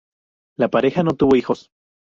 La pareja no tuvo hijos.